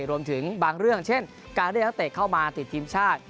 รวมถึงบางเรื่องเช่นการเรียกนักเตะเข้ามาติดทีมชาติ